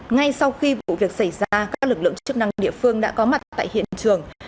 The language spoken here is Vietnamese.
ngay sau khi vụ việc xảy ra các lực lượng chức năng địa phương đã có mặt tại hiện trường